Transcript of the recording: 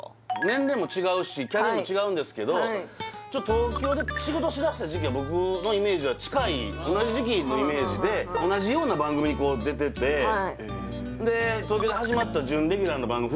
年齢も違うしキャリアも違うんですけど東京で仕事しだした時期が僕のイメージでは近い同じ時期のイメージで同じような番組にこう出ててはいで東京で始まった準レギュラーの番組